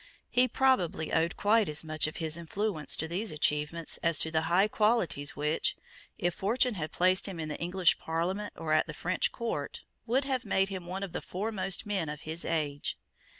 He probably owed quite as much of his influence to these achievements as to the high qualities which, if fortune had placed him in the English Parliament or at the French court, would have made him one of the foremost men of his age.